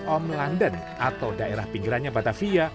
om london atau daerah pinggirannya batavia